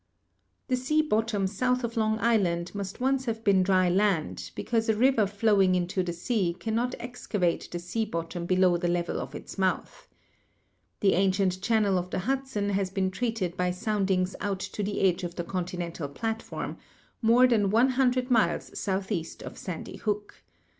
The sea bottom south of Long Island must once have been dry land, because a river flowing into the sea can not excavate the sea bottom below the level of its mouth. The ancient channel of the Hudson has been traced by soundings out to the edge of the continental platform, more than ioo miles southeast of Sandy Hook.